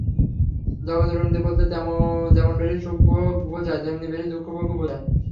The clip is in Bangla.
জগতের উন্নতি বলতে যেমন বেশী সুখভোগ বুঝায়, তেমনি বেশী দুঃখভোগও বুঝায়।